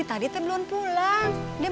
diseri di tempat semuanya